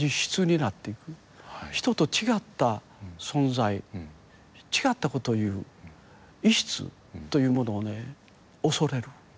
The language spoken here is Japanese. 人と違った存在違ったことを言う異質というものをね恐れる。